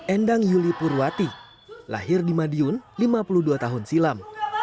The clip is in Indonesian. endang yuli purwati lahir di madiun lima puluh dua tahun silam